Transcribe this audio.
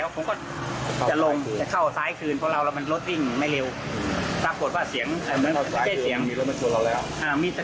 กลับไปมาเราบอกไม่มี